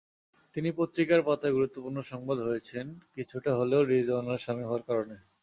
তিনি পত্রিকার পাতায় গুরুত্বপূর্ণ সংবাদ হয়েছেন কিছুটা হলেও রিজওয়ানার স্বামী হওয়ার কারণে।